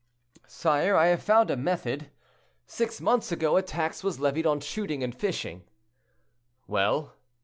"Sire, I have found a method. Six months ago a tax was levied on shooting and fishing." "Well?"